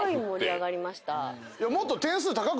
もっと。